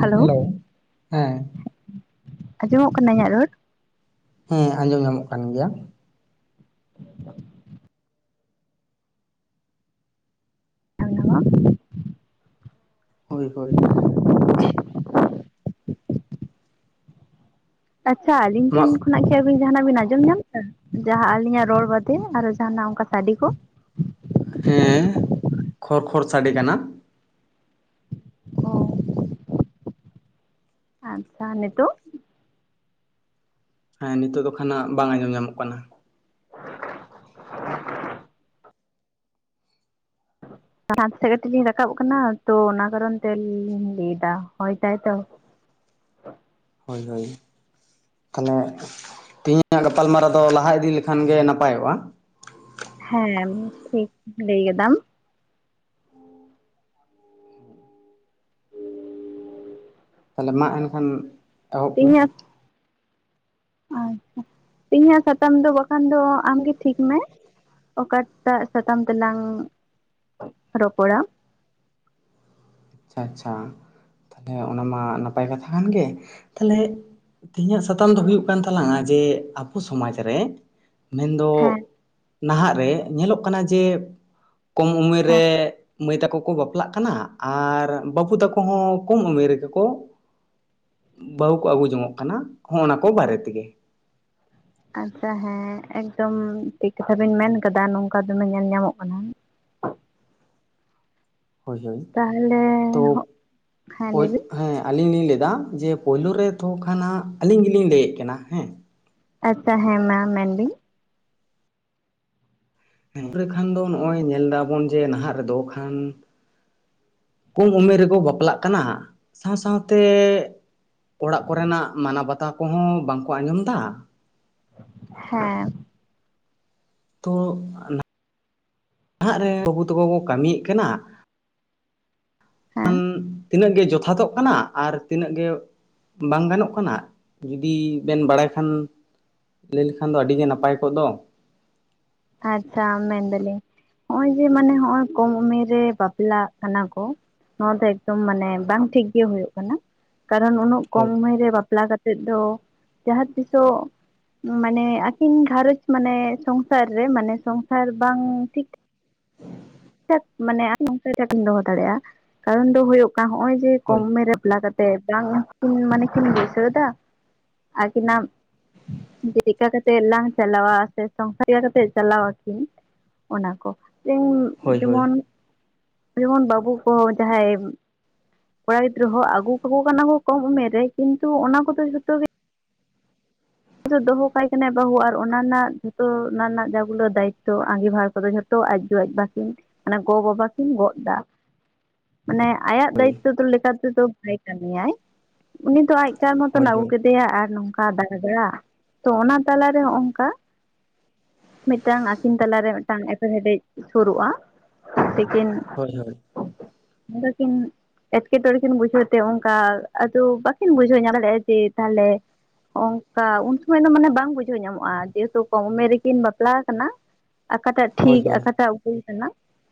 Hello ᱦᱮᱸ [inaudible] ᱟᱸᱡᱚᱢᱚᱜ ᱠᱟᱱᱟ ᱤᱧᱟᱹᱜ ᱨᱚᱲ᱾ ᱦᱮᱸ ᱟᱸᱡᱚᱢ ᱧᱟᱢᱚᱜ ᱠᱟᱱ ᱜᱮᱭᱟ᱾ [inaudible] [unintelligible] ᱦᱳᱭ ᱦᱳᱭ᱾ ᱟᱪᱪᱷᱟ ᱟᱹᱞᱤᱧ ᱱᱚᱣᱟ ᱴᱷᱮᱱ ᱠᱷᱚᱱ ᱠᱷᱚᱱᱟᱜ ᱠᱤ ᱟᱹᱵᱤᱱ ᱡᱟᱦᱟᱱᱟᱜ ᱵᱤᱱ ᱟᱸᱡᱚᱢ ᱧᱟᱢᱫᱟ ᱡᱟᱦᱟᱸ ᱟᱹᱞᱤᱧᱟᱜ ᱨᱚᱲ ᱵᱟᱫᱮ ᱟᱨᱚ ᱡᱟᱦᱟᱱᱟᱜ ᱚᱱᱠᱟ ᱥᱟᱰᱮ ᱠᱚ? ᱦᱮᱸ, ᱠᱷᱚᱨ ᱠᱷᱚᱨ ᱥᱟᱰᱮᱸ ᱠᱟᱱᱟ᱾ ᱟᱪᱪᱷᱟ ᱱᱤᱛᱚᱜ᱾ ᱦᱮᱸ ᱱᱤᱛᱚᱜ ᱫᱚ ᱠᱷᱟᱱᱟᱜ ᱵᱟᱝ ᱟᱸᱡᱚᱢ ᱧᱟᱢᱚᱜ ᱠᱟᱱᱟ᱾ [inaudible] ᱪᱷᱟᱛ ᱥᱮᱫ ᱠᱟᱹᱴᱤᱡ ᱞᱤᱧ ᱨᱟᱠᱟᱵ ᱟᱠᱟᱱᱟ, ᱛᱚ ᱚᱱᱟ ᱠᱟᱨᱚᱱ ᱛᱮᱞᱤᱧ ᱞᱟᱹᱭ ᱫᱟ ᱦᱳᱭᱫᱟᱭ ᱛᱚ᱾ ᱦᱳᱭ ᱦᱳᱭ᱾ ᱛᱟᱦᱚᱸᱞᱮ ᱛᱮᱦᱮᱧᱟᱜ ᱜᱟᱯᱟᱞ ᱢᱟᱨᱟᱣ ᱫᱚ ᱞᱟᱦᱟ ᱤᱫᱤ ᱞᱮᱠᱷᱟᱱ ᱜᱮ ᱱᱟᱯᱟᱭᱚᱜ-ᱟ᱾ ᱦᱮᱸ ᱴᱷᱤᱠ ᱞᱟᱹᱭ ᱠᱟᱫᱟᱢ᱾ ᱛᱟᱦᱚᱸᱞᱮ ᱢᱟ ᱮᱱᱠᱷᱟᱱ ᱮᱦᱚᱵᱽ ᱢᱮ᱾ ᱟᱪᱪᱷᱟ ᱛᱮᱦᱮ ᱧᱟᱜ ᱥᱟᱛᱟᱢ ᱫᱚ ᱵᱟᱠᱷᱟᱱ ᱫᱚ ᱟᱢ ᱜᱮ ᱴᱷᱤᱠ ᱢᱮ᱾ ᱚᱠᱟᱴᱟᱜ ᱥᱟᱛᱟᱢ ᱛᱮᱞᱟᱝ ᱨᱚᱯᱚᱲᱟ᱾ ᱪᱷᱟ ᱪᱷᱟ, ᱛᱟᱞᱦᱮ ᱚᱱᱟ ᱢᱟ ᱱᱟᱯᱟᱭ ᱠᱟᱛᱷᱟ ᱠᱟᱱ ᱜᱮ, ᱛᱟᱞᱦᱮ ᱛᱤᱦᱤᱧᱟᱜ ᱥᱟᱛᱟᱢ ᱫᱚ ᱦᱩᱭᱩᱜ ᱠᱟᱱ ᱛᱟᱞᱟᱝᱟ ᱡᱮ ᱟᱵᱚ ᱥᱚᱢᱟᱡᱽ ᱨᱮ, ᱢᱮᱱᱫᱚ ᱦᱮᱸ ᱱᱟᱦᱟᱜ ᱨᱮ ᱧᱮᱞᱚᱜ ᱠᱟᱱᱟ ᱡᱮ ᱠᱚᱢ ᱩᱢᱮᱨ ᱦᱮᱸ ᱨᱮ ᱢᱟᱹᱭ ᱛᱟᱠᱚ ᱠᱚ ᱵᱟᱯᱞᱟᱜ ᱠᱟᱱᱟ ᱟᱨ ᱵᱟᱹᱵᱩ ᱛᱟᱠᱚ ᱦᱚᱸ ᱠᱚᱢ ᱩᱢᱮᱨ ᱨᱮᱜᱮ ᱠᱚ ᱵᱟᱦᱩ ᱠᱚ ᱟᱹᱜᱩ ᱡᱚᱝᱚᱜ ᱠᱟᱱᱟ ᱦᱚᱜᱼᱚ ᱱᱟ ᱠᱚ ᱵᱟᱨᱮ ᱛᱮᱜᱮ᱾ ᱟᱪᱪᱷᱟ ᱦᱮᱸ ᱮᱠᱫᱚᱢ ᱴᱷᱤᱠ ᱠᱟᱛᱷᱟ ᱵᱮᱱ ᱢᱮᱱ ᱠᱟᱫᱟ ᱱᱚᱝᱠᱟ ᱫᱚᱢᱮ ᱧᱮᱞ ᱧᱟᱢᱚᱜ ᱠᱟᱱᱟ᱾ ᱦᱳᱭ ᱦᱳᱭ, ᱛᱟᱦᱚᱞᱮ ᱛᱚ ᱦᱮᱸ ᱳᱡ ᱞᱟᱹᱭᱵᱤᱱ ᱦᱮᱸ ᱟᱞᱤᱧ ᱞᱤᱧ ᱞᱮᱭᱫᱟ ᱡᱮ ᱯᱳᱭᱞᱳ ᱨᱮ ᱛᱚ ᱠᱷᱟᱱ ᱦᱟᱸᱜ ᱟᱹᱞᱤᱧ ᱜᱮᱞᱤᱧ ᱞᱟᱹᱭᱮᱫ ᱠᱟᱱᱟ, ᱦᱮᱸ? ᱟᱪᱪᱷᱟ ᱦᱮᱸ ᱢᱟ ᱢᱮᱱ ᱵᱤᱱ᱾ [unintelligible] ᱠᱷᱟᱱ ᱫᱚ ᱱᱚᱜ-ᱚᱭ ᱧᱮᱞ ᱫᱟᱵᱚᱱ ᱡᱮ ᱱᱟᱦᱟᱜ ᱨᱮᱫᱚ ᱠᱷᱟᱱ, ᱠᱚᱢ ᱩᱢᱮᱨ ᱨᱮᱠᱚ ᱵᱟᱯᱞᱟᱜ ᱠᱟᱱᱟ ᱥᱟᱶ ᱥᱟᱶᱛᱮ ᱚᱲᱟᱜ ᱠᱚᱨᱮᱱᱟᱜ ᱢᱟᱱᱟ ᱵᱟᱛᱟ ᱠᱚᱦᱚᱸ ᱵᱟᱝᱠᱚ ᱟᱸᱡᱚᱢ ᱫᱟ, ᱦᱮᱸ᱾ ᱛᱚ ᱱᱟ ᱦᱟᱜ ᱨᱮ ᱵᱟᱹᱵᱩ ᱛᱟᱠᱚ ᱠᱚ ᱠᱟᱹᱢᱤᱭᱮᱫ ᱠᱟᱱᱟ, ᱦᱮᱸ [inaudible] ᱛᱤᱱᱟᱹᱜ ᱜᱮ ᱡᱚᱛᱷᱟᱛᱚᱜ ᱠᱟᱱᱟ ᱟᱨ ᱛᱤᱱᱟᱹᱜ ᱜᱮ ᱵᱟᱝ ᱜᱟᱱᱚᱜ ᱠᱟᱱᱟ ᱡᱩᱫᱤ ᱵᱮᱱ ᱵᱟᱲᱟᱭ ᱠᱷᱟᱱ ᱞᱮᱭ ᱞᱮᱠᱷᱟᱱ ᱫᱚ ᱟᱹᱰᱤ ᱜᱮ ᱱᱟᱯᱟᱭ ᱠᱚᱜ ᱫᱚ᱾ ᱟᱪᱪᱷᱟ ᱢᱮᱱ ᱫᱟᱞᱤᱧ᱾ ᱦᱚᱸᱜ-ᱚᱭ ᱡᱮ ᱢᱟᱱᱮ ᱦᱚᱸᱜᱼᱚᱭ ᱠᱚᱢ ᱩᱢᱮᱨ ᱨᱮ ᱵᱟᱯᱞᱟᱜ ᱠᱟᱱᱟ ᱠᱚ᱾ ᱱᱚᱣᱟ ᱫᱚ ᱮᱠᱫᱚᱢ ᱢᱟᱱᱮ ᱵᱟᱝ ᱴᱷᱤᱠ ᱜᱮ ᱦᱩᱭᱩᱜ ᱠᱟᱱᱟ, ᱠᱟᱨᱚᱱ ᱩᱱᱟᱹᱜ ᱠᱚᱢ ᱦᱳᱭ ᱩᱢᱮᱨ ᱨᱮ ᱵᱟᱯᱞᱟ ᱠᱟ ᱛᱮᱫ ᱫᱚ ᱡᱟᱦᱟᱸ ᱛᱤᱥᱚᱜ ᱢᱟᱱᱮ ᱟᱹᱠᱤᱱ ᱜᱷᱟᱨᱚᱸᱡᱽ ᱢᱟᱱᱮ ᱥᱚᱝ ᱥᱟᱨ ᱨᱮ ᱢᱟᱱᱮ ᱥᱚᱝᱥᱟᱨ ᱵᱟᱝ ᱴᱷᱤᱠ [unintelligible] ᱴᱷᱟᱠ ᱢᱟᱱᱮ [inaudible] ᱫᱚᱦᱚ ᱫᱟᱲᱮᱜᱼᱟ ᱠᱟᱨᱚᱱ ᱫᱚ ᱦᱳᱭᱳᱜ ᱠᱟᱱᱟ ᱦᱚᱸᱜᱼᱚᱭ ᱡᱮ ᱠᱚᱢ ᱦᱳᱭ ᱳᱢᱮᱨ ᱨᱮ [inaudible] ᱥᱮ ᱵᱟᱝ ᱠᱤᱱ ᱢᱟᱱᱮ ᱠᱤᱱ ᱵᱟᱹᱭᱥᱟᱹᱣ ᱟᱠᱤᱱᱟᱜ ᱡᱮ ᱪᱮᱫᱠᱟ ᱠᱟᱛᱮᱜ ᱞᱟᱝ ᱪᱟᱞᱟᱣᱟ ᱥᱮ [inaudible] ᱪᱮᱫᱠᱟ ᱠᱟᱛᱮᱜ ᱪᱟᱞᱟᱣ ᱟᱠᱤᱱ ᱚᱱᱟ ᱠᱚ ᱤᱧ ᱦᱳᱭ ᱦᱳᱭ ᱡᱮᱢᱚᱱ, ᱡᱮᱢᱚᱱ ᱵᱟᱵᱩ ᱠᱚ ᱡᱟᱦᱟᱸᱭ ᱠᱚᱲᱟ ᱜᱤᱫᱽᱨᱟᱹ ᱦᱚᱸ ᱟᱹᱜᱩ ᱠᱟᱠᱚ ᱠᱟᱱᱟ ᱠᱚ ᱠᱚᱢ ᱩᱢᱮᱨ ᱨᱮ ᱠᱤᱱᱛᱩ ᱚᱱᱟ ᱠᱚᱫᱚ ᱡᱷᱚᱛᱚ ᱜᱮ ᱫᱚ ᱫᱚᱦᱚ ᱠᱟᱭ ᱠᱟᱱᱟᱭ ᱵᱟᱦᱩ ᱟᱨ ᱚᱱᱟ ᱨᱮᱱᱟᱜ ᱡᱷᱚᱛᱚ ᱚᱱᱟ ᱨᱮᱱᱟᱜ ᱡᱟᱟᱜᱩᱞᱳ ᱫᱟᱭᱤᱛᱛᱚ ᱟᱸᱜᱤᱵᱷᱟᱨ ᱠᱚᱫᱚ ᱡᱷᱚ ᱛᱚ ᱟᱡ ᱜᱚ ᱟᱡ ᱵᱟ ᱠᱤᱱ ᱢᱟᱱᱮ ᱜᱚ ᱵᱟᱵᱟ ᱠᱤᱱ ᱜᱚᱜ ᱫᱟ᱾ ᱢᱟᱱᱮ ᱟᱭᱟᱜ ᱦᱳᱭ ᱫᱟᱭᱤᱛᱛᱚ ᱫᱚ ᱞᱮᱠᱟ ᱛᱮᱫᱚ ᱵᱟᱭ ᱠᱟᱹᱢᱤᱭᱟᱭ, ᱩᱱᱤ ᱫᱚ ᱟᱡ ᱠᱟᱨ ᱢᱚᱛᱚᱱ ᱦᱳᱭ ᱟᱹᱜᱩ ᱦᱳᱭ ᱠᱮᱫᱮᱭᱟ ᱟᱨ ᱱᱚᱝᱠᱟ ᱫᱟᱬᱟ ᱫᱟᱬᱟ, ᱛᱚ ᱚᱱᱟ ᱛᱟᱞᱟᱨᱮ ᱦᱚᱸᱜᱼᱚᱝᱠᱟ, ᱢᱤᱫᱴᱟᱝ ᱟᱹᱠᱤᱱ ᱛᱟᱞᱟ ᱨᱮ ᱢᱤᱫᱴᱟᱝ ᱮᱯᱮᱨᱦᱮᱰᱮᱡ ᱥᱩᱨᱩᱜᱼᱟ ᱛᱤᱠᱤᱱ ᱦᱳᱭ ᱦᱳᱭ᱾ ᱟᱫᱚ ᱠᱤᱱ ᱮᱴᱠᱮᱴᱚᱬᱮ ᱠᱤᱱ ᱵᱩᱡᱷᱟᱹᱣ ᱛᱮ ᱚᱱᱠᱟ ᱟᱫᱚ ᱵᱟᱠᱤᱱ ᱵᱩᱡᱷᱟᱹᱣ ᱧᱟᱢ ᱫᱟᱲᱮᱜᱼᱟ ᱡᱮ ᱛᱟᱦᱚᱞᱮ ᱚᱝ ᱠᱟ ᱩᱱ ᱥᱚᱢᱚᱭ ᱫᱚ ᱢᱟᱱᱮ ᱵᱟᱝ ᱵᱩᱡᱷᱟᱹᱣ ᱧᱟᱢᱚᱜᱼᱟ ᱡᱮᱦᱮᱛᱩ ᱠᱚᱢ ᱩᱢᱮᱨ ᱨᱮᱠᱤᱱ ᱵᱟᱯᱞᱟ ᱠᱟᱱᱟ, ᱟᱠᱟᱴᱟᱜ ᱦᱳᱭ ᱴᱷᱤᱠ ᱦᱳᱭ ᱟᱠᱟᱴᱟᱜ ᱵᱷᱩᱞ ᱠᱟᱱᱟ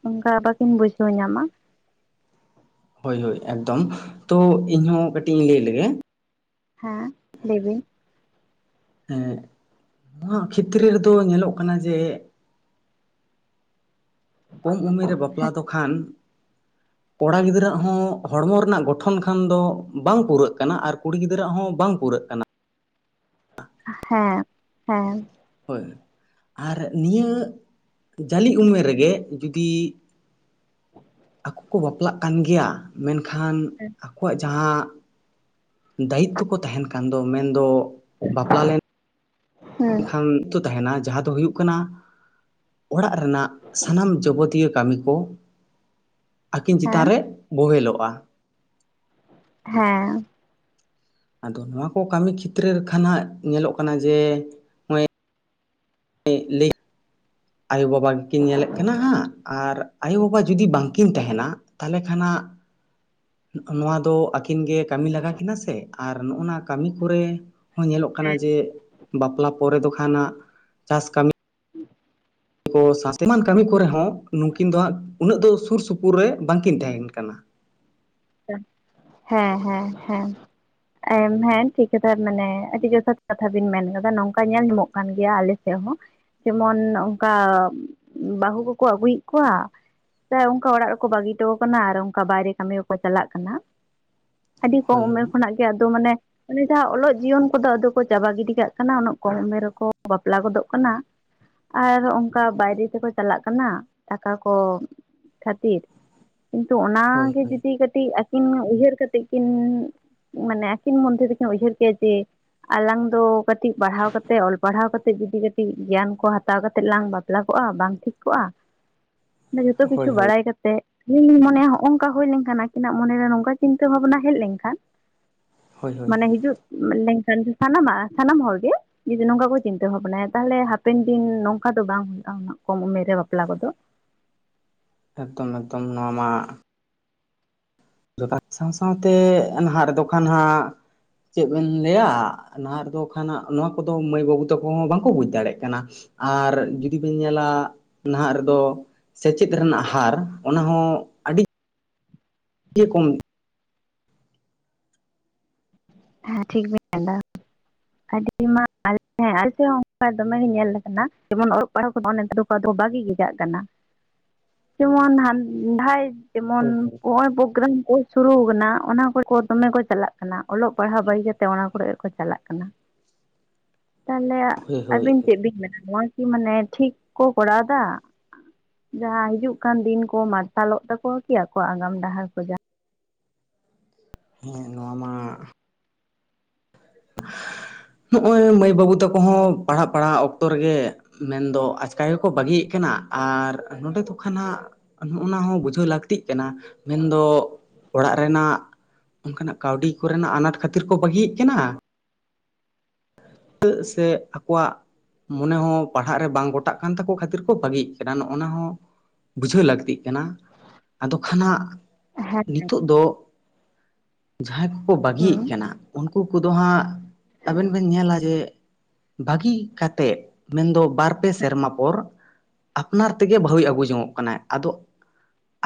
ᱚᱱᱠᱟ ᱵᱟᱠᱤᱱ ᱵᱩᱡᱷᱟᱣ ᱧᱟᱢᱼᱟ᱾ ᱦᱳᱭ ᱦᱳᱭ ᱮᱠᱫᱚᱢ, ᱛᱚ ᱤᱧ ᱦᱚᱸ ᱠᱟᱹᱴᱤᱡ ᱤᱧ ᱞᱟᱹᱭ ᱞᱮᱜᱮ᱾ ᱦᱮᱸ ᱞᱮᱭ ᱵᱤᱱ᱾ ᱦᱮᱸ ᱱᱚᱭᱟᱜ ᱠᱷᱮᱛᱨᱮ ᱨᱮᱫᱚ ᱧᱮᱞᱚᱜ ᱠᱟᱱᱟ ᱡᱮ ᱠᱚᱢ ᱩᱢᱮᱨ ᱨᱮ ᱵᱟᱯᱞᱟ ᱫᱚ ᱠᱷᱟᱱ ᱠᱚᱲᱟ ᱜᱤᱫᱽᱨᱟᱹᱣᱟᱜ ᱦᱚᱸ ᱦᱚᱲᱢᱚ ᱨᱮᱱᱟᱜ ᱜᱚᱴᱷᱚᱱ ᱠᱷᱟᱱ ᱫᱚ ᱵᱟᱝ ᱯᱩᱨᱟᱹᱜ ᱠᱟᱱᱟ, ᱟᱨ ᱠᱩᱲᱤ ᱜᱤᱫᱽᱨᱟᱹᱣᱟᱜ ᱦᱚᱸ ᱵᱟᱝ ᱯᱩᱨᱟᱹᱜ ᱠᱟᱱᱟ ᱾ ᱦᱮᱸ ᱦᱮᱸ᱾ ᱦᱳᱣ ᱟᱨ ᱱᱤᱭᱟᱹᱻ ᱡᱟᱹᱞᱤ ᱩᱢᱮᱨ ᱨᱮᱜᱮ ᱡᱩᱫᱤ ᱟᱠᱚ ᱠᱚ ᱵᱟᱯᱞᱟᱜ ᱠᱟᱱ ᱜᱮᱭᱟ, ᱢᱮᱱᱠᱷᱟᱱ ᱦᱮᱸ ᱟᱠᱚᱣᱟᱜ ᱡᱟᱦᱟᱸ ᱫᱟᱭᱤᱛᱛᱚ ᱠᱚ ᱛᱟᱦᱮᱸᱱ ᱠᱟᱱ ᱫᱚ, ᱢᱮᱱᱫᱚ ᱵᱟᱯᱞᱟ ᱞᱮᱱ ᱢᱮᱱᱠᱷᱟᱱ ᱛᱚ ᱛᱟᱦᱮᱸᱱᱟ ᱡᱟᱦᱟᱸ ᱫᱚ ᱦᱩᱭᱩᱜ ᱠᱟᱱᱟ, ᱚᱲᱟᱜ ᱨᱮᱱᱟᱜ ᱥᱟᱱᱟᱢ ᱡᱟᱵᱚᱛᱤᱭᱚ ᱠᱟᱹᱢᱤ ᱠᱚ, ᱟᱹᱠᱤᱱ ᱪᱮᱛᱟᱱ ᱦᱮᱸ ᱨᱮ ᱵᱳᱦᱮᱞᱚᱜ-ᱟ᱾ ᱦᱮᱸ᱾ ᱟᱫᱚ ᱱᱚᱣᱟ ᱠᱚ ᱠᱟᱹᱢᱤ ᱠᱷᱮᱛᱨᱮ ᱠᱷᱟᱱ ᱦᱟᱸᱜ ᱧᱮᱞᱚᱜ ᱠᱟᱱᱟ ᱡᱮ ᱞᱟᱹᱭ ᱟᱭᱳ-ᱵᱟᱵᱟ ᱜᱮᱠᱤᱱ ᱧᱮᱞᱮᱫ ᱠᱤᱱᱟ ᱦᱟᱸᱜ ᱟᱨ ᱟᱭᱳ ᱵᱟᱵᱟ ᱡᱩᱫᱤ ᱵᱟᱝᱠᱤᱱ ᱛᱟᱦᱮᱸᱱᱟ ᱛᱟᱦᱚᱸᱞᱮ ᱠᱷᱟᱱ ᱦᱟᱸᱜ ᱱᱚᱣᱟ ᱫᱚ ᱟᱹᱠᱤᱱ ᱜᱮ ᱠᱟᱹᱢᱤ ᱞᱟᱜᱟ ᱠᱤᱱᱟ ᱥᱮ, ᱟᱨ ᱱᱚᱜ-ᱚ ᱱᱟ ᱠᱟᱹᱢᱤ ᱠᱚᱨᱮ ᱦᱚᱸ ᱧᱮᱞᱚᱜ ᱠᱟᱱᱟ ᱡᱮ ᱵᱟᱯᱞᱟ ᱯᱚᱨᱮ ᱫᱚ ᱠᱷᱟᱱ ᱦᱟᱸᱜ ᱪᱟᱥ ᱠᱟᱹᱢᱤ᱾ [inaudible] ᱠᱚ ᱥᱟᱥᱛᱮ ᱮᱢᱟᱱ ᱠᱟᱹᱢᱤ ᱠᱚᱨᱮ ᱦᱚᱸ, ᱱᱩᱠᱤᱱ ᱫᱚ ᱦᱟᱸᱜ ᱩᱱᱟᱹᱜ ᱫᱚ ᱥᱩᱨ ᱥᱩᱯᱩᱨ ᱨᱮ ᱵᱟᱝᱠᱤᱱ ᱛᱟᱦᱮᱸᱱ ᱠᱟᱱᱟ᱾ ᱦᱮᱸ ᱦᱮᱸ ᱦᱮᱸ᱾ ᱦᱮᱸ ᱴᱷᱤᱠ ᱠᱟᱛᱷᱟ ᱢᱟᱱᱮ ᱟᱹᱰᱤ ᱡᱚᱛᱷᱟᱛ ᱠᱟᱛᱷᱟ ᱵᱤᱱ ᱢᱮᱱ ᱟᱠᱟᱫᱟ ᱱᱚᱝᱠᱟ ᱧᱮᱞ ᱧᱟᱢᱚᱜ ᱠᱟᱱ ᱜᱮᱭᱟ᱾ ᱟᱞᱮ ᱪᱮᱜ ᱦᱚᱸ ᱡᱮᱢᱚᱱ ᱚᱱᱠᱟ ᱵᱟᱹᱦᱩ ᱠᱚᱠᱚ ᱟᱜᱩᱭᱮᱫ ᱠᱚᱣᱟ ᱥᱮ ᱚᱱᱠᱟ ᱚᱲᱟᱜ ᱨᱮᱠᱚ ᱵᱟᱹᱜᱤ ᱦᱚᱴᱚ ᱠᱟᱱᱟ ᱟᱨ ᱚᱱᱠᱟ ᱵᱟᱭᱨᱮ ᱠᱟᱹᱢᱤ ᱠᱚ ᱪᱟᱞᱟᱜ ᱠᱟᱱᱟ, ᱟᱹᱰᱤ ᱠᱚᱢ ᱦᱳᱭ ᱩᱢᱮᱨ ᱦᱳᱭ ᱠᱷᱚᱱᱟᱜ ᱜᱮ ᱟᱫᱚ ᱢᱟᱱᱮ᱾ ᱚᱱᱮ ᱡᱟᱦᱟᱸ ᱚᱞᱚᱜ ᱡᱤᱭᱚᱱ ᱠᱚᱫᱚ ᱟᱫᱚ ᱠᱚ ᱪᱟᱵᱟ ᱜᱤᱰᱤ ᱠᱟᱜ ᱠᱟᱱᱟ, ᱩᱱᱟᱹᱜ ᱠᱚᱢ ᱩᱢᱮᱨ ᱨᱮᱠᱚ ᱵᱟᱯᱞᱟ ᱜᱚᱫᱚᱜ ᱠᱟᱱᱟ᱾ ᱟᱨ ᱚᱱᱠᱟ ᱵᱟᱭᱨᱮ ᱛᱮᱠᱚ ᱪᱟᱞᱟᱜ ᱠᱟᱱᱟ, ᱴᱟᱠᱟ ᱠᱚ ᱠᱷᱟᱹᱛᱤᱨ᱾ ᱠᱤᱱᱛᱩ ᱚᱱᱟ ᱦᱳᱭ ᱜᱮ ᱦᱳᱭ ᱡᱩᱫᱤ ᱠᱟᱹᱴᱤᱡ ᱟᱹᱠᱤᱱ ᱩᱭᱦᱟᱹᱨ ᱠᱟᱛᱮ ᱠᱤᱱ᱾ ᱢᱟᱱᱮ ᱟᱠᱤᱱ ᱢᱚᱫᱽᱫᱷᱮ ᱨᱮᱠᱤᱱ ᱩᱭᱦᱟᱹᱨ ᱠᱮᱭᱟ ᱡᱮ, ᱟᱞᱟᱝ ᱫᱚ ᱠᱟᱹᱴᱤᱡ ᱯᱟᱲᱦᱟᱣ ᱠᱟᱛᱮ ᱚᱞ ᱯᱟᱲᱦᱟᱣ ᱠᱟᱛᱮ ᱡᱩᱫᱤ ᱠᱟᱹᱴᱤᱡ᱾ ᱴᱤᱡ ᱜᱮᱭᱟᱱ ᱠᱚ ᱦᱟᱛᱟᱣ ᱠᱟᱛᱮᱫ ᱞᱟᱝ ᱵᱟᱯᱞᱟ ᱠᱚᱜ-ᱟ ᱵᱟᱝ ᱴᱷᱤᱠ ᱠᱚᱜ-ᱟ᱾ ᱢᱟᱱᱮ ᱡᱚᱛᱚ ᱠᱤᱪᱷᱩ ᱦᱳᱭ ᱦᱳᱭ ᱵᱟᱲᱟᱭ ᱠᱟᱛᱮ ᱤᱧ ᱫᱩᱧ ᱢᱚᱱᱮᱭᱟ ᱦᱚᱜ-ᱚᱝ ᱠᱟ ᱦᱩᱭ ᱞᱮᱱ ᱠᱟᱱᱟ ᱟᱹᱠᱤᱱᱟᱜ ᱢᱚᱱᱮᱨᱮ ᱱᱚᱝᱠᱟ ᱪᱤᱱᱛᱟᱹ ᱵᱷᱟᱵᱱᱟ ᱦᱮᱡ ᱞᱮᱱᱠᱷᱟᱱ, ᱦᱳᱭ ᱦᱳᱭ ᱢᱟᱱᱮ ᱦᱤᱡᱩᱜ ᱢᱮᱱᱫᱟᱧ ᱥᱟᱱᱟᱢᱟᱜ ᱥᱟᱱᱟᱢ ᱦᱚᱲ ᱜᱮ᱾ ᱡᱩᱫᱤ ᱱᱚᱝᱠᱟ ᱠᱚ ᱪᱤᱱᱛᱟᱹ ᱵᱷᱟᱵᱱᱟᱭᱟ ᱛᱟᱦᱚᱸᱞᱮ ᱦᱟᱯᱮᱱ ᱫᱤᱱ ᱱᱚᱝᱠᱟ ᱫᱚ ᱵᱟᱝ ᱦᱩᱭᱩᱜ-ᱟ ᱩᱱᱟᱹᱜ ᱠᱚᱢ ᱩᱢᱮᱨ ᱨᱮ ᱵᱟᱯᱞᱟ ᱠᱚᱫᱚ᱾ ᱮᱠᱫᱚᱢ ᱮᱠᱫᱚᱢ ᱱᱚᱣᱟ ᱢᱟ ᱡᱚᱛᱷᱟᱛ ᱥᱟᱶ ᱥᱟᱶᱛᱮ ᱱᱟᱦᱟᱸᱜ ᱨᱮᱫᱚ ᱠᱷᱟᱱ ᱦᱟᱸᱜ᱾ ᱪᱮᱫ ᱵᱮᱱ ᱞᱟᱹᱭᱟ ᱱᱟᱦᱟᱸᱜ ᱨᱮᱫᱚ ᱠᱟᱷᱱ ᱦᱟᱸᱜ ᱱᱚᱣᱟ ᱠᱚᱫᱚ ᱢᱟᱹᱭ ᱵᱟᱹᱵᱩ ᱛᱟᱠᱚ ᱦᱚᱸ ᱵᱟᱝᱠᱚ ᱵᱩᱡᱽ ᱫᱟᱲᱮᱭᱟᱜ ᱠᱟᱱᱟ᱾ ᱟᱨ ᱡᱩᱫᱤ ᱵᱤᱱ ᱧᱮᱞᱟ ᱱᱟᱦᱟᱸᱜ ᱨᱮᱫᱚ᱾ ᱥᱮᱪᱮᱫ ᱨᱮᱱᱟᱜ ᱦᱟᱨ ᱚᱱᱟ ᱦᱚᱸ ᱤᱭᱟ ᱠᱚᱢ ᱦᱮᱸ ᱴᱷᱤᱠ ᱵᱤᱱ ᱢᱮᱱᱫᱟ᱾ ᱠᱟᱹᱴᱤᱡ ᱢᱟ ᱟᱞᱮ ᱴᱷᱮᱱ᱾ ᱦᱮᱸ ᱟᱞᱮ ᱦᱚᱸ ᱚᱱᱠᱟ ᱫᱚᱢᱮ ᱜᱮ ᱧᱮᱞ ᱟᱠᱟᱱᱟ, ᱡᱮᱢᱚᱱ ᱚᱞᱚᱜ ᱯᱟᱲᱦᱟᱜ [unintelligible] ᱵᱟᱜᱤ ᱠᱡᱟᱜ ᱠᱟᱱᱟ᱾ ᱡᱮᱢᱚᱱ ᱦᱟᱱ ᱰᱟᱭ ᱦᱳᱭ ᱡᱮᱢᱚᱱᱚ ᱯᱨᱳᱜᱽᱨᱟᱢ ᱠᱚ᱾ ᱥᱩᱨᱩ ᱠᱟᱱᱟ ᱚᱱᱟ ᱠᱚᱨᱮ ᱠᱚ ᱫᱚᱢᱮ ᱠᱚ ᱪᱟᱞᱟᱜ ᱠᱟᱱᱟ, ᱚᱞᱚᱜ ᱯᱟᱲᱦᱟᱣ ᱵᱟᱹᱜᱤ ᱠᱟᱛᱮ ᱚᱱᱟ ᱠᱚᱨᱮ ᱜᱮᱠᱚ ᱪᱟᱞᱟᱜ ᱠᱟᱱᱟ᱾ ᱛᱟᱦᱚᱸᱞᱮ ᱦᱳᱭ ᱦᱳᱭ ᱟᱹᱵᱤᱱ ᱦᱳᱭ ᱪᱮᱫ ᱵᱤᱱ ᱢᱮᱱᱟ ᱱᱚᱣᱟ ᱠᱤ ᱢᱟᱱᱮ ᱴᱷᱤᱠ ᱠᱚ ᱠᱚᱨᱟᱣ ᱫᱟ᱾ ᱡᱟᱦᱟᱸ ᱦᱤᱡᱩᱜ ᱠᱟᱱ ᱫᱤᱱ ᱠᱚ ᱢᱟᱨᱥᱟᱞᱚᱜ ᱛᱟᱠᱚᱣᱟ ᱠᱤ ᱟᱠᱚᱣᱟᱜ ᱟᱜᱟᱢ ᱰᱟᱦᱟᱨ ᱠᱚ ᱡᱟᱦᱟᱸ ᱦᱮᱸ ᱱᱚᱣᱟ ᱢᱟ [unintelligible] ᱱᱚᱜᱼᱚᱭ ᱢᱟᱹᱭ ᱵᱟᱹᱵᱩ ᱛᱟᱠᱚ ᱦᱚᱸ ᱯᱟᱲᱦᱟᱜ ᱯᱟᱲᱦᱟᱜ ᱚᱠᱛᱚ ᱨᱮᱜᱮ ᱢᱮᱱᱫᱚ ᱟᱪᱠᱟ ᱜᱮᱠᱚ ᱵᱟᱹᱜᱤᱭᱮᱫ ᱠᱟᱱᱟ ᱟᱨ ᱱᱚᱸᱰᱮ ᱫᱚ ᱠᱷᱟᱱ ᱦᱟᱸᱜ ᱚᱱᱟ ᱦᱚᱸ ᱵᱩᱡᱷᱟᱹᱣ ᱞᱟᱹᱠᱛᱤᱜ ᱠᱟᱱᱟ ᱢᱮᱱᱫᱚ ᱚᱲᱟᱜ ᱨᱮᱱᱟᱜ ᱚᱱᱠᱟᱱᱟᱜ ᱠᱟᱹᱣᱰᱤ ᱠᱚᱨᱮᱱᱟᱜ ᱟᱱᱟᱴ ᱠᱷᱟᱹᱛᱤᱨ ᱠᱚ ᱵᱟᱹᱜᱤᱭᱮᱫ ᱠᱟᱱᱟ? ᱫᱟ. ᱜ ᱥᱮ ᱟᱠᱚᱣᱟᱜ ᱢᱚᱱᱮ ᱦᱚᱸ ᱯᱟᱲᱦᱟᱜ ᱨᱮ ᱵᱟᱝ ᱜᱚᱴᱟᱜ ᱠᱟᱱ ᱛᱟᱠᱚ ᱠᱷᱟᱹᱛᱤᱨ ᱠᱚ ᱵᱟᱹᱜᱤᱜ ᱠᱟᱱᱟ ᱱᱚᱜ ᱱᱚᱣᱟ ᱦᱚᱸ ᱵᱩᱡᱷᱟᱹᱣ ᱞᱟᱹᱠᱛᱤᱜ ᱠᱟᱱᱟ ᱟᱫᱚ ᱠᱷᱟᱱ ᱦᱟᱸᱜ ᱡᱟᱦᱟᱸ ᱦᱮᱸ ᱦᱮᱸ ᱱᱤᱛᱚᱜ ᱫᱚ ᱡᱟᱦᱟᱸᱭ ᱠᱚᱠᱚ ᱦᱩᱸ ᱵᱟᱹᱜᱤᱭᱮᱫ ᱠᱟᱱᱟ ᱩᱱᱠᱩ ᱠᱚᱫᱚ ᱦᱟᱸᱜ ᱟᱵᱮᱱ ᱵᱮᱱ ᱧᱮᱞᱟ ᱡᱮ ᱵᱷᱟᱹᱜᱤ ᱠᱟᱛᱮᱜ ᱢᱮᱱᱫᱚ ᱵᱟᱨ ᱯᱮ ᱥᱮᱨᱢᱟ ᱯᱚᱨ ᱟᱯᱱᱟᱨ ᱛᱮᱜᱮ ᱵᱟᱹᱦᱩᱭ ᱟᱹᱜᱩ ᱡᱚᱱᱚᱜ ᱠᱟᱱᱟᱭ ᱟᱫᱚ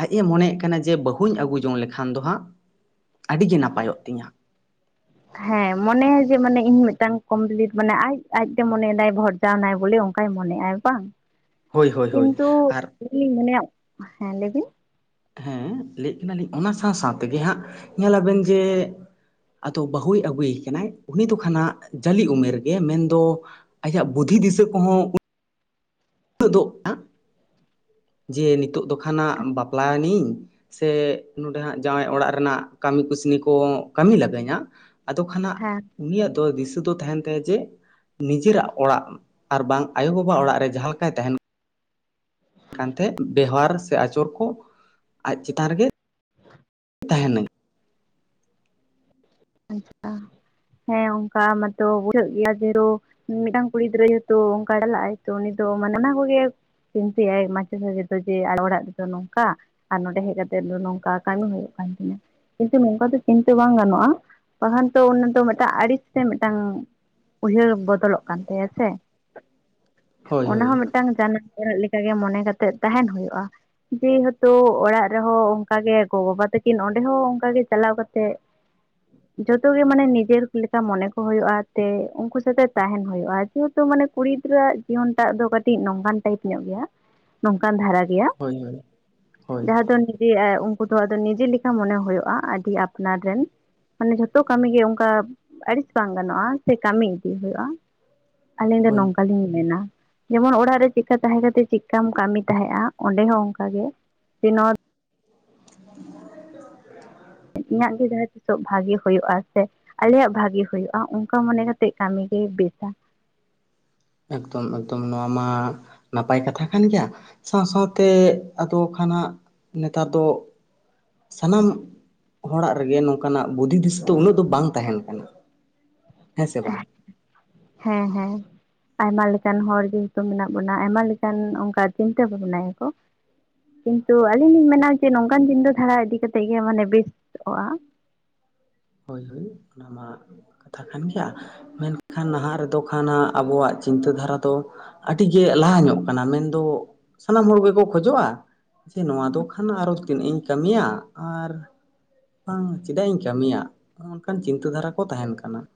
ᱟᱡ ᱮ ᱢᱚᱱᱮᱭᱮᱫ ᱠᱟᱱᱟ ᱡᱮ ᱵᱟᱹᱦᱩᱧ ᱟᱹᱜᱩ ᱡᱚᱝ ᱞᱮᱠᱷᱟᱱ ᱫᱚ ᱦᱟᱸᱜ ᱟᱹᱰᱤ ᱜᱮ ᱱᱟᱯᱟᱭᱚᱜ ᱛᱤᱧᱟ᱾ ᱾ ᱦᱮᱸ ᱢᱚᱱᱮᱭᱟ ᱡᱮ ᱢᱟᱱᱮ ᱤᱧ ᱢᱤᱫᱴᱟᱝ ᱠᱚᱢᱯᱞᱤᱴ ᱢᱟᱱᱮ ᱟᱡ ᱟᱡᱛᱮ ᱢᱚᱱᱮᱭᱮᱫᱟᱭ ᱵᱷᱚᱴ ᱠᱟᱣᱱᱟᱭ ᱵᱚᱞᱮ ᱚᱱᱠᱟᱭ ᱢᱚᱱᱮᱜ ᱟᱭ ᱵᱟᱝ ᱦᱳᱭ ᱦᱳᱭ ᱦᱳᱭ ᱠᱤᱱᱛᱩ ᱟᱨ ᱤᱧ ᱢᱚᱱᱮᱭᱟ ᱦᱮᱸ ᱞᱟᱹᱭ ᱵᱤᱱ? ᱦᱮᱸ ᱞᱟᱹᱭᱮᱫ ᱠᱟᱱᱟᱞᱤᱧ ᱚᱱᱟ ᱥᱟᱶ ᱥᱟᱶ ᱛᱮᱜᱮ ᱦᱟᱸᱜ ᱧᱮᱞᱟᱵᱤᱱ ᱡᱮ ᱟᱫᱚ ᱵᱟᱹᱦᱩᱭ ᱟᱹᱜᱩᱭᱮ ᱠᱟᱱᱟᱭ ᱩᱱᱤ ᱫᱚ ᱠᱷᱟᱱᱟᱜ ᱡᱟᱹᱞᱤ ᱩᱢᱮᱨ ᱜᱮ ᱢᱮᱱᱫᱚ ᱟᱡᱟᱜ ᱵᱩᱫᱷᱤ ᱫᱤᱥᱟᱹ ᱠᱚᱦᱚᱸ ᱩᱱᱟᱹᱜ ᱫᱚ [inaudible] ᱡᱮ ᱱᱤᱛᱚᱜ ᱫᱚ ᱠᱷᱟᱱᱟᱜ ᱵᱟᱯᱞᱟᱭᱮᱱᱤᱧ ᱥᱮ ᱱᱚᱰᱮ ᱦᱟᱸᱜ ᱡᱟᱶᱟᱭ ᱚᱲᱟᱜ ᱨᱮᱱᱟᱜ ᱠᱟᱹᱢᱤ ᱠᱩᱥᱱᱤ ᱠᱚ ᱠᱟᱹᱢᱤ ᱞᱟᱜᱟᱹᱧᱟ ᱟᱫᱚ ᱠᱷᱟᱱ ᱦᱟᱸᱜ ᱦᱮᱸ ᱩᱱᱤᱭᱟᱜ ᱫᱚ ᱫᱤᱥᱟᱹ ᱫᱚ ᱛᱟᱦᱮᱸᱱ ᱛᱟᱭᱟ ᱡᱮ ᱱᱤᱡᱮᱨᱟᱜ ᱚᱲᱟᱜ ᱟᱨ ᱵᱟᱝ ᱟᱭᱳᱼᱵᱟᱵᱟ ᱚᱲᱟᱜ ᱨᱮ ᱡᱟᱦᱟᱸ ᱞᱮᱠᱟᱭ ᱛᱟᱦᱮᱸᱱ ᱠᱟᱱ ᱛᱮ ᱵᱮᱣᱦᱟᱨ ᱥᱮ ᱟᱪᱚᱨ ᱠᱚ ᱟᱡ ᱪᱮᱛᱟᱱ ᱨᱮᱜᱮ ᱛᱟᱦᱮᱸᱱᱟᱹᱧ ᱾ ᱟᱪᱪᱷᱟ ᱦᱮᱸ ᱚᱱᱠᱟ ᱢᱟᱛᱚ ᱵᱩᱨᱟᱹᱜ ᱜᱮᱭᱟ ᱡᱮᱛᱳ ᱢᱤᱫᱴᱟᱝ ᱠᱩᱲᱤ ᱜᱤᱫᱽᱨᱟᱹ ᱡᱮᱦᱮᱛᱩ ᱚᱱᱠᱟ ᱪᱟᱞᱟᱜ-ᱟᱭ ᱛᱚ ᱩᱱᱤ ᱫᱚ ᱢᱟᱱᱟᱣ ᱠᱚᱜᱮ, ᱪᱤᱱᱛᱟᱹᱭᱟᱭ [inaudible] ᱡᱮ ᱚᱲᱟᱜ ᱨᱮᱫᱚ ᱱᱚᱝᱠᱟ, ᱟᱨ ᱱᱚᱰᱮ ᱦᱮᱡ ᱠᱟᱛᱮᱜ ᱱᱚᱝᱠᱟ ᱠᱟᱹᱢᱤ ᱦᱩᱭᱩᱜ ᱠᱟᱱ ᱛᱤᱧᱟᱹ ᱠᱤᱱᱛᱩ ᱱᱚᱝᱠᱟ ᱫᱚ ᱪᱤᱱᱛᱟᱹ ᱵᱟᱝ ᱜᱟᱱᱚᱜᱼᱟ ᱾ ᱵᱟᱠᱷᱟᱱ ᱛᱚ ᱚᱱᱟ ᱫᱚ ᱢᱤᱫᱴᱟᱝ ᱟᱹᱲᱤᱥ ᱛᱮ ᱢᱤᱫᱴᱟᱝ ᱩᱭᱦᱟᱹᱨ ᱵᱚᱫᱚᱞᱚᱜ ᱠᱟᱱ ᱛᱟᱭᱟ ᱥᱮ ᱦᱳᱭ ᱚᱱᱟ ᱦᱳᱭ ᱦᱚᱸ ᱢᱤᱫ ᱢᱤᱫᱴᱟᱝ ᱡᱟᱱᱟᱢ ᱚᱲᱟᱜ ᱞᱮᱠᱟᱜᱮ ᱢᱚᱱᱮ ᱠᱟᱛᱮᱜ ᱛᱟᱦᱮᱸᱱ ᱦᱩᱭᱩᱜᱼᱟ ᱾ ᱡᱮᱦᱮᱛᱩ ᱚᱲᱟᱜ ᱨᱮᱦᱚᱸ ᱚᱱᱠᱟᱜᱮ ᱜᱚ ᱵᱟᱵᱟ ᱛᱟᱹᱠᱤᱱ ᱚᱸᱰᱮ ᱦᱚᱸ ᱚᱱᱠᱟ ᱜᱮ ᱪᱟᱞᱟᱣ ᱠᱟᱛᱮᱜ ᱡᱚᱛᱚ ᱜᱮ ᱢᱟᱱᱮ ᱱᱤᱡᱮᱨ ᱞᱮᱠᱟ ᱢᱚᱱᱮ ᱠᱚ ᱦᱩᱭᱩᱜᱼᱟ ᱛᱮ ᱩᱱᱠᱩ ᱥᱟᱛᱮ ᱛᱟᱦᱮᱸᱱ ᱦᱩᱭᱩᱜᱼᱟ ᱾ ᱡᱮᱦᱮᱛᱩ ᱢᱟᱱᱮ ᱠᱩᱲᱤ ᱜᱤᱫᱽᱨᱟᱹ ᱟᱜ ᱡᱤᱭᱚᱱ ᱴᱟᱜ ᱫᱚ ᱠᱟᱹᱴᱤᱡ ᱱᱟᱝᱠᱟᱱ ᱴᱟᱭᱤᱯ ᱧᱚᱜ ᱜᱮᱭᱟ ᱱᱚᱝᱠᱟᱱ ᱫᱷᱟᱨᱟ ᱜᱮᱭᱟ ᱾ ᱦᱚᱭ ᱡᱟᱦᱟᱸ ᱫᱚ ᱱᱤᱡᱮ ᱩᱱᱠᱩ ᱫᱚ ᱟᱫᱚ ᱱᱤᱡᱮ ᱞᱮᱠᱟ ᱢᱟᱱᱮ ᱦᱩᱭᱩᱜᱳᱜᱼᱟ ᱟᱹᱰᱤ ᱟᱯᱱᱟᱨ ᱨᱮᱱ ᱾ ᱢᱟᱱᱮ ᱡᱷᱚᱛᱚ ᱠᱟᱹᱢᱤ ᱜᱮ ᱚᱱᱠᱟ ᱟᱹᱲᱤᱥ ᱵᱟᱝ ᱜᱟᱱᱚᱜᱼᱟ ᱥᱮ ᱠᱟᱹᱢᱤ ᱤᱫᱤ ᱦᱩᱭᱩᱜᱼᱟ ᱾ ᱟᱹᱞᱤᱧ ᱫᱚ ᱦᱳᱭ ᱱᱚᱝᱠᱟᱞᱤᱧ ᱢᱮᱱᱟ ᱾ ᱡᱮᱢᱚᱱ ᱚᱲᱟᱜ ᱨᱮ ᱪᱮᱫᱠᱟ ᱛᱟᱦᱮᱸ ᱠᱟᱛᱮ ᱪᱮᱫᱠᱟᱢ ᱠᱟᱹᱢᱤ ᱛᱟᱦᱮᱸᱜ-ᱟ ᱚᱸᱰᱮ ᱦᱚᱸ ᱚᱱᱠᱟᱜᱮ ᱥᱮ ᱱᱚᱛ ᱤᱧᱟᱜ ᱜᱮ ᱡᱟᱦᱟᱸ ᱛᱤᱥᱚᱜ ᱵᱷᱟᱹᱜᱮ ᱦᱩᱭᱩᱜᱳᱜᱼᱟ ᱥᱮ, ᱟᱞᱮᱭᱟᱜ ᱵᱷᱟᱹᱜᱤ ᱦᱩᱭᱩᱜᱼᱟ ᱚᱱᱠᱟ ᱢᱚᱱᱮ ᱠᱟᱛᱮᱜ ᱠᱟᱹᱢᱤ ᱜᱮ ᱵᱮᱥᱟ ᱾ ᱮᱠᱫᱚᱢ ᱮᱠᱫᱚᱢ ᱱᱚᱣᱟ ᱢᱟ ᱱᱟᱯᱟᱭ ᱠᱟᱛᱷᱟ ᱠᱟᱱ ᱜᱮᱭᱟ ᱾ ᱥᱟᱶ ᱥᱟᱶᱛᱮ ᱟᱫᱚ ᱠᱷᱟᱱᱟᱜ ᱱᱮᱛᱟᱨ ᱫᱚ ᱥᱟᱱᱟᱢ ᱦᱚᱲᱟᱜ ᱨᱮᱜᱮ ᱱᱚᱝᱠᱟᱱᱟᱜ ᱵᱩᱫᱷᱤ ᱫᱤᱥᱟᱹ ᱫᱚ ᱩᱱᱟᱹᱜ ᱫᱚ ᱵᱟᱝ ᱛᱟᱦᱮᱸᱱ ᱠᱟᱱᱟ ᱦᱮᱸ ᱥᱮ ᱵᱟᱝ? ᱦᱮᱸ ᱦᱮᱸ᱾ ᱟᱭᱢᱟ ᱞᱮᱠᱟᱱ ᱦᱚᱲ ᱜᱮ ᱦᱤᱛᱳᱜ ᱢᱮᱱᱟᱜ ᱵᱚᱱᱟ ᱟᱭᱢᱟ ᱞᱮᱠᱟᱱ ᱚᱱᱠᱟ ᱪᱤᱱᱛᱟᱹ ᱵᱷᱟᱵᱱᱟᱭᱟ ᱠᱚ ᱾ ᱠᱤᱱᱛᱩ ᱟᱹᱞᱤᱧ ᱞᱤᱧ ᱢᱮᱱᱟ ᱡᱮ ᱱᱚᱝᱠᱟᱱ ᱪᱤᱱᱛᱟᱹ ᱫᱷᱟᱨᱟ ᱤᱫᱤ ᱠᱟᱛᱮᱫ ᱜᱮ ᱢᱟᱱᱮ ᱵᱮᱥᱚᱜ-ᱟ ᱾ ᱦᱳᱭ ᱦᱳᱭ ᱚᱱᱟ ᱢᱟ ᱠᱟᱛᱷᱟ ᱠᱟᱱ ᱜᱮᱭᱟ ᱾ ᱢᱮᱱᱠᱷᱟᱱ ᱱᱟᱦᱟᱸᱜ ᱨᱮᱫᱚ ᱠᱷᱟᱱ ᱦᱟᱸᱜ ᱟᱵᱚᱣᱟᱜ ᱪᱤᱱᱛᱟᱹ ᱫᱷᱟᱨᱟ ᱫᱚ ᱟᱹᱰᱤᱜᱮ ᱞᱟᱦᱟ ᱧᱚᱜ ᱠᱟᱱᱟ ᱢᱮᱱᱫᱚ ᱥᱟᱱᱟᱢ ᱦᱚᱲ ᱜᱮᱠᱚ ᱠᱷᱚᱡᱚᱜ-ᱟ ᱾ ᱡᱮ ᱱᱚᱣᱟ ᱫᱚ ᱠᱷᱟᱱ ᱟᱨᱚ ᱛᱤᱱᱟᱹᱜ ᱤᱧ ᱠᱟᱹᱢᱤᱭᱟ ᱟᱨ, ᱵᱟᱝ ᱪᱮᱫᱟᱜ ᱤᱧ ᱠᱟᱹᱢᱤᱭᱟ, ᱚᱱᱠᱟᱱ ᱪᱤᱱᱛᱟᱹ ᱫᱷᱟᱨᱟ ᱠᱚ ᱛᱟᱦᱮᱸᱱ ᱠᱟᱱᱟ ᱾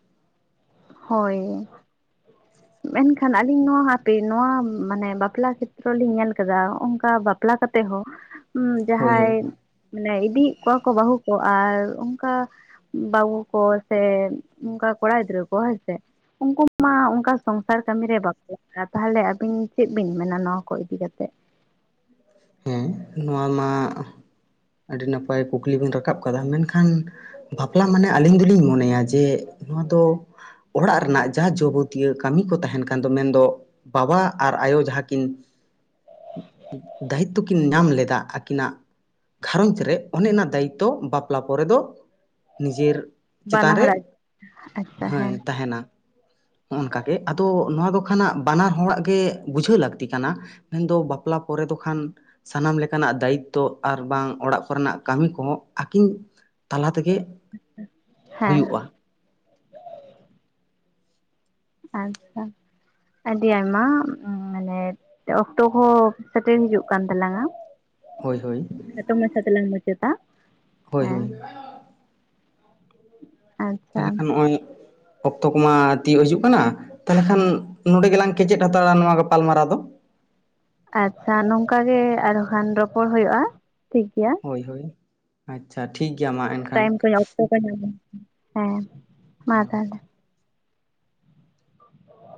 ᱦᱳᱭ᱾ ᱢᱮᱱᱠᱷᱟᱱ ᱟᱹᱞᱤᱧ ᱱᱚᱣᱟ ᱦᱟᱯᱮ ᱱᱚᱣᱟ ᱢᱟᱱᱮ ᱵᱟᱯᱞᱟ ᱠᱷᱮᱛᱛᱨᱚ ᱞᱤᱧ ᱧᱮᱞ ᱟᱠᱟᱫᱟ ᱚᱱᱠᱟ ᱵᱟᱯᱞᱟ ᱠᱟᱛᱮᱜ ᱦᱚᱸ ᱩ ᱦᱳᱭ ᱦᱳᱭ ᱡᱟᱦᱟᱸᱭ ᱢᱟᱱᱮ ᱤᱫᱤᱭᱮᱫ ᱠᱚᱣᱟ ᱠᱚ ᱵᱟᱹᱦᱩ ᱠᱚ ᱟᱨ ᱚᱱᱠᱟ ᱵᱟᱹᱵᱩ ᱠᱚ ᱥᱮ, ᱚᱱᱠᱟ ᱠᱚᱲᱟ ᱜᱤᱫᱽᱨᱟᱹ ᱠᱚ ᱦᱮ ᱥᱮ ᱾ ᱩᱱᱠᱩ ᱢᱟ ᱚᱱᱠᱟ ᱥᱚᱝᱥᱟᱨ ᱠᱟᱹᱢᱤ ᱨᱮ ᱵᱟᱠᱚ ᱞᱟᱜᱟᱜ-ᱟ ᱛᱟᱦᱚᱸᱞᱮ ᱟᱹᱵᱤᱱ ᱪᱮᱫ ᱵᱤᱱ ᱢᱮᱱᱟ ᱱᱚᱣᱟ ᱠᱚ ᱤᱫᱤ ᱠᱟᱛᱮᱫ ᱾ ᱦᱮᱸ, ᱱᱚᱣᱟ ᱢᱟ, ᱟᱹᱰᱤ ᱱᱟᱯᱟᱭ ᱠᱩᱠᱞᱤ ᱵᱤᱱ ᱨᱟᱠᱟᱵ ᱠᱟᱫᱟ ᱢᱮᱱᱠᱷᱟᱱ ᱾ ᱵᱟᱯᱞᱟ ᱢᱟᱱᱮ ᱟᱹᱞᱤᱧ ᱫᱩᱞᱤᱝ ᱢᱚᱱᱮᱭᱟ ᱡᱮ ᱱᱚᱣᱟ ᱫᱚ ᱚᱲᱟᱜ ᱨᱮᱱᱟᱜ ᱡᱟ ᱡᱚᱵᱚᱛᱤᱭᱟᱹ ᱠᱟᱢᱤ ᱠᱚ ᱛᱟᱦᱮᱸᱱ ᱠᱟᱱ ᱫᱚ ᱢᱮᱱᱫᱚ ᱵᱟᱵᱟ ᱟᱨ ᱟᱭᱳ ᱡᱟᱦᱟᱸ ᱠᱤᱱ ᱫᱟᱭᱤᱛᱛᱚ ᱠᱤᱱ ᱧᱟᱢ ᱞᱮᱫᱟ ᱟᱹᱠᱤᱱᱟᱜ ᱜᱷᱟᱨᱚᱸᱡᱽ ᱨᱮ ᱚᱱᱮ ᱚᱱᱟ ᱫᱟᱭᱤᱛᱛᱚ ᱵᱟᱯᱞᱟ ᱯᱚᱨᱮ ᱫᱚ ᱱᱤᱡᱮᱨ ᱵᱟᱱᱟ ᱪᱮᱛᱟᱱ ᱨᱮ ᱦᱚᱲᱟᱜ ᱟᱪᱪᱷᱟ ᱦᱳᱭ ᱦᱮᱸ ᱛᱟᱦᱮᱸᱱᱟ᱾ ᱦᱚᱸᱜ-ᱚ ᱱᱚᱝᱠᱟ ᱜᱮ ᱟᱫᱚ ᱱᱚᱣᱟ ᱫᱚ ᱠᱷᱟᱱ ᱦᱟᱸᱜ ᱵᱟᱱᱟ ᱦᱚᱲᱟᱜ ᱜᱮ ᱵᱩᱡᱷᱟᱹᱣ ᱞᱟᱹᱠᱛᱤ ᱠᱟᱱᱟ ᱢᱮᱱᱫᱚ ᱵᱟᱯᱞᱟ ᱯᱚᱨᱮ ᱫᱚ ᱠᱷᱟᱱ ᱥᱟᱱᱟᱢ ᱞᱮᱠᱟᱱᱟᱜ ᱫᱟᱭᱤᱛᱛᱚ ᱟᱨ ᱵᱟᱝ ᱚᱲᱟᱜ ᱠᱚᱨᱮᱱᱟᱜ ᱠᱟᱹᱢᱤ ᱠᱚᱦᱚᱸ ᱟᱹᱠᱤᱱ ᱛᱟᱞᱟ ᱛᱮᱜᱮ ᱦᱮᱸ ᱦᱩᱭᱩᱜ-ᱟ᱾ ᱟᱪᱪᱷᱟ, ᱟᱹᱰᱤ ᱟᱭᱢᱟ ᱢᱟᱱᱮ ᱚᱠᱛᱚ ᱦᱚᱸ ᱥᱮᱴᱮᱨ ᱦᱤᱡᱩᱜ ᱠᱟᱱ ᱛᱟᱞᱟᱝᱟ᱾ ᱦᱳᱭ ᱦᱳᱭ᱾ ᱠᱷᱟᱴᱚ ᱢᱟᱪᱷᱟ ᱛᱮᱞᱟᱝ ᱢᱩᱪᱟᱹᱫᱟ᱾ ᱦᱳᱭ ᱦᱮᱸ ᱦᱳᱭ ᱾ ᱟᱪᱪᱷᱟ ᱛᱟᱦᱞᱮ ᱠᱷᱟᱱ ᱱᱚᱜ-ᱚᱭ ᱚᱠᱛᱚ ᱠᱚᱢᱟ ᱛᱤᱭᱳᱜ ᱦᱤᱡᱩᱜ ᱠᱟᱱᱟ, ᱛᱟᱦᱚᱸᱞᱮ ᱠᱷᱟᱱ ᱱᱚᱸᱰᱮ ᱜᱮᱞᱟᱝ ᱠᱮᱪᱮᱫ ᱦᱟᱛᱟᱲᱟ ᱱᱚᱣᱟ ᱜᱟᱯᱟᱞᱢᱟᱨᱟᱣ ᱫᱚ᱾ ᱟᱪᱪᱷᱟ ᱱᱚᱝᱠᱟ ᱜᱮ ᱟᱨ ᱦᱚᱸ ᱠᱷᱟᱱ ᱨᱚᱯᱚᱲ ᱦᱳᱭᱳᱜ-ᱟ, ᱴᱷᱤᱠ ᱜᱮᱭᱟ᱾ ᱦᱳᱭ ᱦᱳᱭ, ᱟᱪᱪᱷᱟ ᱴᱷᱤᱠ ᱜᱮᱭᱟ ᱢᱟ ᱮᱱᱠᱷᱟᱱ᱾ ᱴᱟᱭᱤᱢ [unintelligible] ᱦᱮᱸ, ᱢᱟ ᱛᱟᱦᱚᱸᱞᱮ᱾